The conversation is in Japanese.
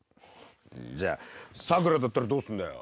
じゃあさくらだったらどうするんだよ？